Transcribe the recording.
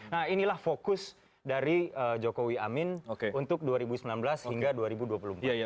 nah inilah fokus dari jokowi amin untuk dua ribu sembilan belas hingga dua ribu dua puluh empat